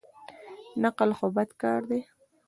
نقل خو بد کار دئ.